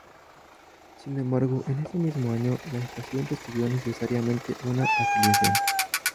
Sin embargo, en ese mismo año, la estación recibió necesariamente una afiliación.